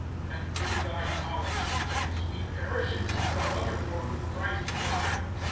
(11)And through thy knowledge he that is weak perishes, the brother for whom Christ died!